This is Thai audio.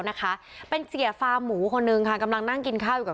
นะคะเป็นเสียฟาร์หมูคนนึงค่ะกำลังนั่งกินข้าวอยู่กับ